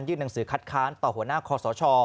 หนังสือคัดค้านต่อหัวหน้าคอสช